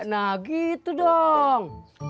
nah gitu dong